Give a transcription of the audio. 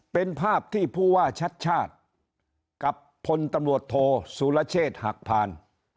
เป็นภาพที่พูดว่าชัดกับผลตำรวจโทษศูลเชษหักผ่าน